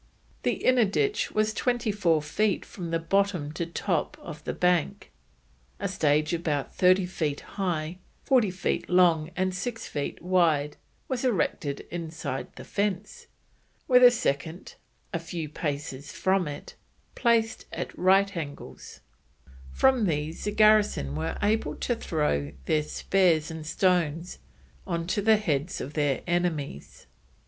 The inner ditch was 24 feet from bottom to top of the bank. A stage about 30 feet high, 40 feet long, and 6 feet wide, was erected inside the fence, with a second, a few paces from it, placed at right angles; from these the garrison were able to throw their spears and stones on to the heads of their enemies.